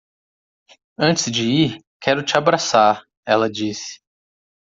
"Antes de ir, quero te abraçar", ela disse.